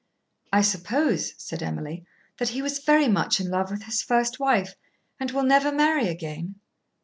"I suppose," said Emily, "that he was very much in love with his first wife and will never marry again."